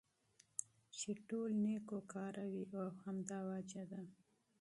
چې ټول نيكو كاره وي او همدا وجه ده